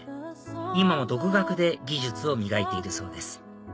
今も独学で技術を磨いているそうです